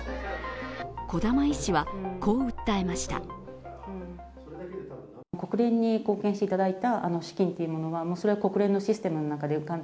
小玉医師は、こう訴えました。